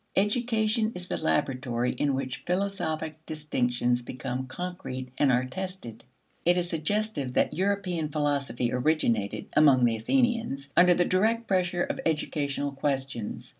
Education is the laboratory in which philosophic distinctions become concrete and are tested. It is suggestive that European philosophy originated (among the Athenians) under the direct pressure of educational questions.